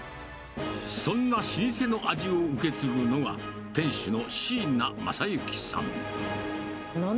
そんな老舗の味を受け継ぐのが、店主の椎名正幸さん。